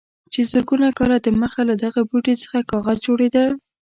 چې زرګونه کاله دمخه له دغه بوټي څخه کاغذ جوړېده.